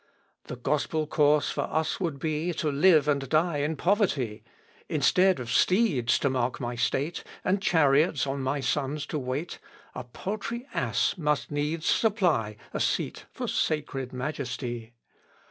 The gospel course for us would be, To live and die in poverty. Instead of steeds to mark my state, And chariots on my sons to wait, A paltry ass must needs supply A seat for sacred majesty.